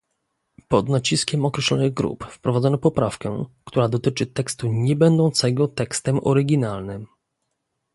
Pod naciskiem określonych grup wprowadzono poprawkę, która dotyczy tekstu niebędącego tekstem oryginalnym